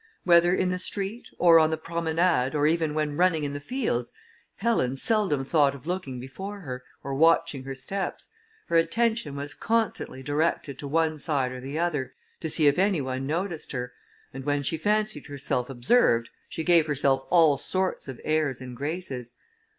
Whether in the street, or on the promenade or even when running in the fields, Helen seldom thought of looking before her, or watching her steps; her attention was constantly directed to one side or the other, to see if any one noticed her; and when she fancied herself observed, she gave herself all sorts of airs and graces.